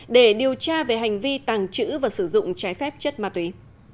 để điều tra về hành vi tàng trữ và sử dụng trái phép chất ma túy